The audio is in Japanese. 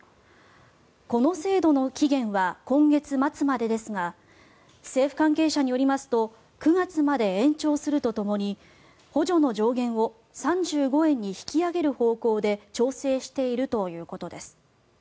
この制度の期限は今月末までですが政府関係者によりますと９月まで延長するとともに補助の上限を３５円に引き上げる方向で調整しているということです。